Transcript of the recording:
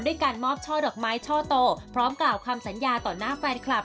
การมอบช่อดอกไม้ช่อโตพร้อมกล่าวคำสัญญาต่อหน้าแฟนคลับ